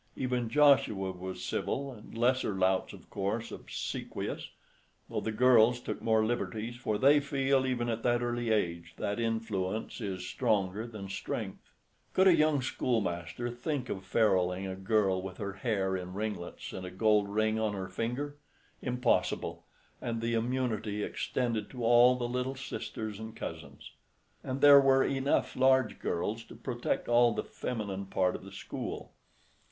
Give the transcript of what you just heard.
Even Joshua was civil, and lesser louts of course obsequious; though the girls took more liberties, for they feel even at that early age, that influence is stronger than strength. Could a young schoolmaster think of feruling a girl with her hair in ringlets and a gold ring on her finger? Impossible—and the immunity extended to all the little sisters and cousins; and there were enough large girls to protect all the feminine part of the school.